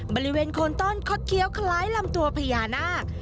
บริเวณโคนต้อนคดเคี้ยวคล้ายลำตัวพญานาค